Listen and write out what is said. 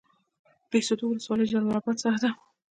بهسودو ولسوالۍ جلال اباد سره ده؟